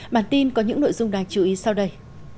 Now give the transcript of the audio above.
bản tin có những nội dung đáng chú ý sau đây